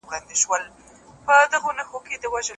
هم په عقل هم په ژبه گړندى وو